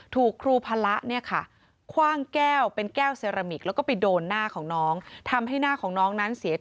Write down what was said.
ถูกครูพละคว่างแก้วเป็นแก้วเซรามิกแล้วก็ไปโดนหน้าของน้อง